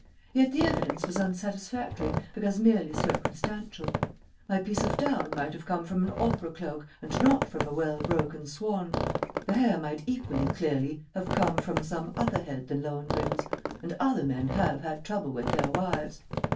Yet the evidence was unsatisfactory because merely circumstantial. My piece of down might have come from an opera cloak and not from a well broken swan, the hair might equally clearly have come from some other head than Lohengrin's, and other men have had trouble with their wives.